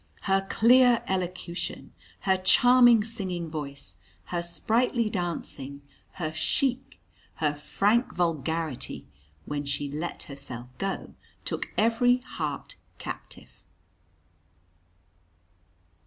Her clear elocution, her charming singing voice, her sprightly dancing, her chic, her frank vulgarity, when she "let herself go," took every heart captive.